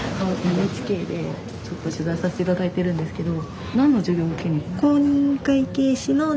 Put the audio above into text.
ＮＨＫでちょっと取材させていただいてるんですけど。